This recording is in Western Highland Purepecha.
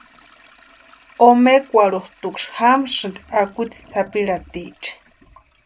Omekwarhutʼuksï jamasïnti akwitsi sapirhatiecha.